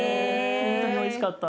ほんとにおいしかった。